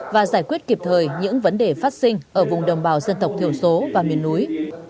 và giải quyết kịp thời những vấn đề phát sinh ở vùng đồng bào dân tộc thiểu số và miền núi